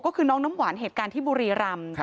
ก็คือน้องน้ำหวานเหตุการณ์ที่บุรีรำ